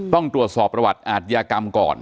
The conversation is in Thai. ต้องตรวจสอบประวัติอาทยากรรมก่อน